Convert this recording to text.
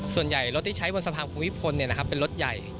ส่วนใหญ่รถที่ใช้บนสะพานของคุณวิทย์พลเป็นรถใหญ่